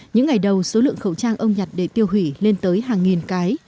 những ngày đầu số lượng khẩu trang ông nhặt để tiêu hủy lên tới hàng nghìn cái